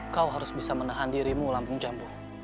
kau harus bisa menahan dirimu lampung jamur